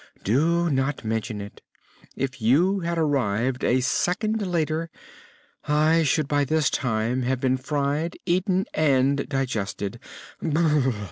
"Do not mention it! If you had arrived a second later I should by this time have been fried, eaten and digested.